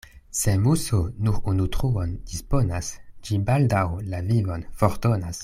Se muso nur unu truon disponas, ĝi baldaŭ la vivon fordonas.